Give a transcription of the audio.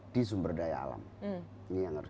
di sumber daya alam ini yang harus